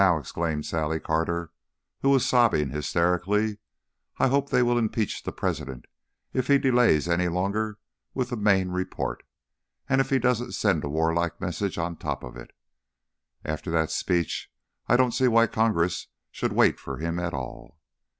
exclaimed Sally Carter, who was sobbing hysterically, "I hope they will impeach the President if he delays any longer with the Maine report and if he doesn't send a warlike message on top of it. After that speech I don't see why Congress should wait for him at all."